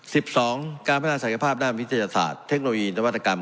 สิบสองการพัฒนาศักยภาพด้านวิทยาศาสตร์เทคโนโลยีนวัตกรรม